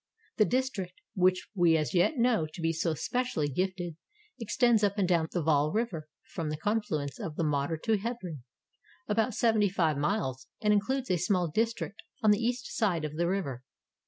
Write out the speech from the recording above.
The dis trict which we as yet know to be so specially gifted extends up and down the Vaal River from the confluence of the Modder to Hebron, about seventy five miles, and includes a small district on the east side of the river.